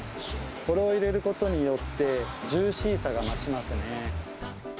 これを入れることによって、ジューシーさが増しますね。